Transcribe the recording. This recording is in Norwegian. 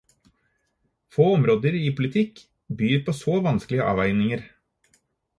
Få områder i politikk byr på så vanskelige avveininger.